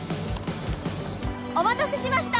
お待たせしました